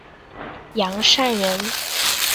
杨善人。